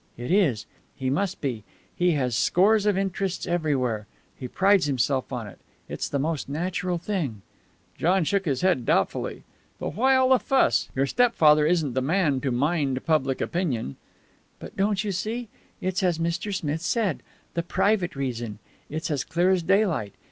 It is. He must be. He has scores of interests everywhere. He prides himself on it. It's the most natural thing." John shook his head doubtfully. "But why all the fuss? Your stepfather isn't the man to mind public opinion " "But don't you see? It's as Mr. Smith said. The private reason. It's as clear as daylight.